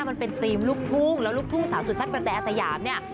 มันเป็นธีมลูกทุ่งแล้วลูกทุ่งสาวสุดแซ่บกระแต่อาสยามเนี่ย